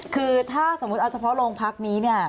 คือถ้าสมมุติเอาเฉพาะโรงพักนี้เนี่ย